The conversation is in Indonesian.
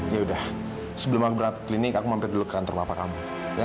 ya udah sebelum aku berangkat ke klinik aku mampir dulu ke kantor papa kamu